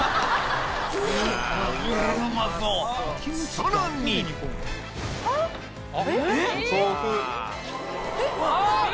さらにあっ！